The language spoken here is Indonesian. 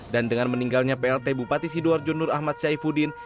dan dengan meninggalnya plt bupati sidoarjo nur ahmad syaifuddin